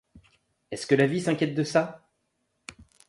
Est-ce que la vie s'inquiète de ça!